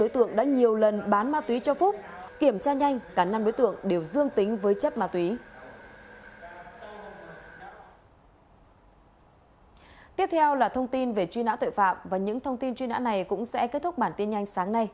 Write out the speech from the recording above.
tiếp theo là thông tin về truy nã tội phạm và những thông tin truy nã này cũng sẽ kết thúc bản tin nhanh sáng nay